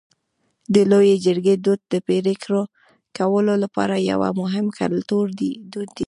د لویې جرګې دود د پرېکړو کولو لپاره یو مهم کلتوري دود دی.